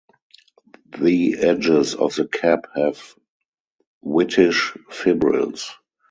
The edges of the cap have whitish fibrils.